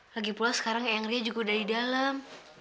lagipula sekarang yang ria juga udah di dalam